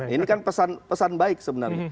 ini kan pesan baik sebenarnya